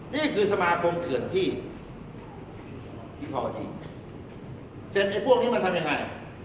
นี่คือสมาคมเถื่อนที่ที่พอยิงเสร็จไอ้พวกนี้มันทำยังไง